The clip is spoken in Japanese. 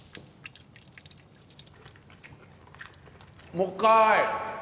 もっかい！